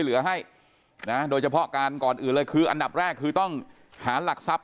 เหลือให้นะโดยเฉพาะการก่อนอื่นเลยคืออันดับแรกคือต้องหาหลักทรัพย